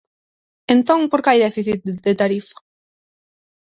Entón, ¿por que hai déficit de tarifa?